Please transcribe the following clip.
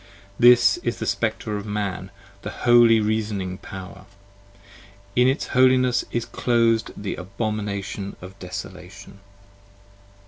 15 This is the Spectre of Man: the Holy Reasoning Power, And in its Holiness is closed the Abomination of Desolation.